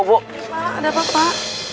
pak ada bapak